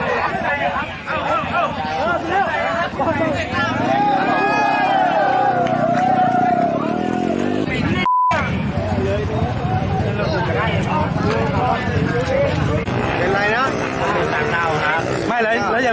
วิทยาลัยแสนพันธุ์อัศวินดีสร้างแรงเวลาสุดท้าย